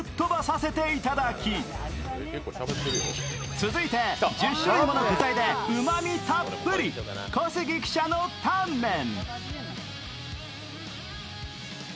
続いて、１０種類もの具材でうまみたっぷり、小杉記者のタンメン。